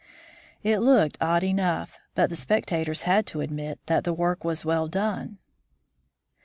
It looked odd enough, but the spectators had to admit that the work was done well.